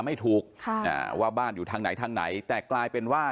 ไม่ถูกค่ะอ่าว่าบ้านอยู่ทางไหนทางไหนแต่กลายเป็นว่า